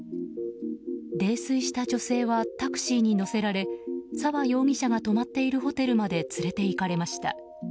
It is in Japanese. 泥酔した女性はタクシーに乗せられ澤容疑者が泊まっていたホテルまで連れていかれました。